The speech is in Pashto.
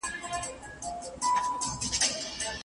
ځیني کورنۍ بدلون ته تیارې نه وې.